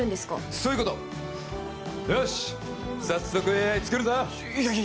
そういうことよし早速ＡＩ作るぞいやいや